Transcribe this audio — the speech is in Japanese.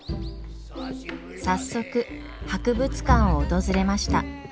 早速博物館を訪れました。